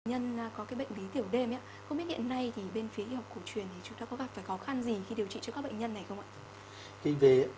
nhân có cái bệnh lý tiểu đêm không biết hiện nay thì bên phía y học cổ truyền thì chúng ta có gặp phải khó khăn gì khi điều trị cho các bệnh nhân này không ạ